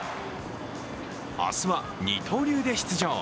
明日は二刀流で出場。